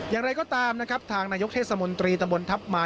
อย่างไรก็ตามทางนายกเทศมนตรีตรับบนทัพมา